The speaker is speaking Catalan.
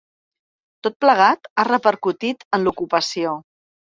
Tot plegat ha repercutit en l’ocupació.